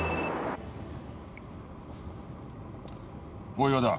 大岩だ。